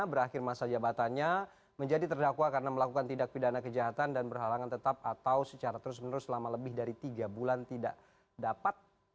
berakhir masa jabatannya menjadi terdakwa karena melakukan tindak pidana kejahatan dan berhalangan tetap atau secara terus menerus selama lebih dari tiga bulan tidak dapat